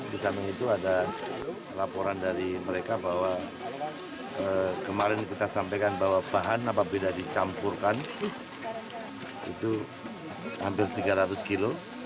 di samping itu ada laporan dari mereka bahwa kemarin kita sampaikan bahwa bahan apabila dicampurkan itu hampir tiga ratus kilo